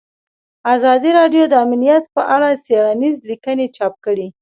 ازادي راډیو د امنیت په اړه څېړنیزې لیکنې چاپ کړي.